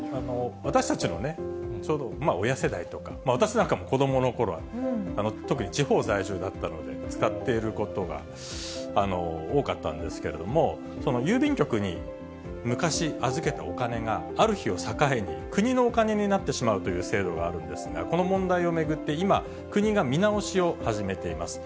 私たちのね、ちょうど親世代とか、私なんかも子どものころは、特に地方在住だったので、使っていることが多かったんですけれども、郵便局に昔預けたお金がある日を境に、国のお金になってしまうという制度があるんですが、この問題を巡って今、国が見直しを始めています。